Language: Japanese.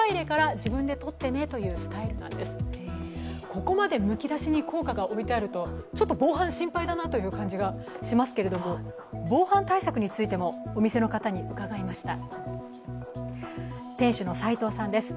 ここまでむきだしに硬貨が置いてあるとちょっと防犯、心配だなという感じがしますけど防犯対策についてもお店の方に伺いました。